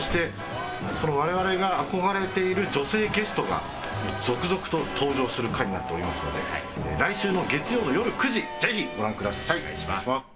我々が憧れている女性ゲストが続々と登場する回になっておりますので、来週の月曜の夜９時、ぜひご覧ください。